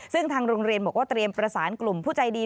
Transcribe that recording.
ซึ่งทางโรงเรียนบอกว่าเตรียมประสานกลุ่มผู้ใจดี